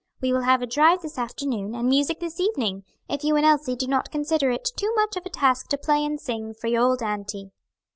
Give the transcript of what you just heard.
We will have a drive this afternoon, and music this evening; if you and Elsie do not consider it too much of a task to play and sing for your old auntie."